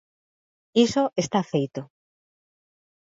–Iso está feito.